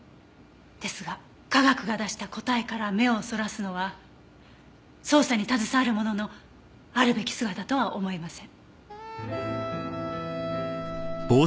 ですが科学が出した答えから目をそらすのは捜査に携わる者のあるべき姿とは思えません。